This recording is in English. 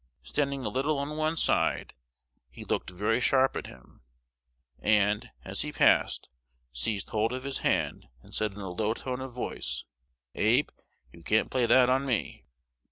Standing a little on one side, he "looked very sharp at him," and, as he passed, seized hold of his hand, and said in a loud tone of voice, "Abe, you can't play that on me."